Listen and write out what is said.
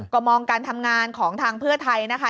ก็มองการทำงานของทางเพื่อไทยนะคะ